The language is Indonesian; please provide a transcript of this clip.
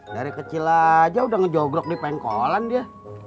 dari kecil aja udah ngejogrok di pengkolan dia